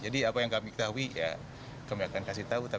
jadi apa yang kami ketahui ya kami akan kasih tahu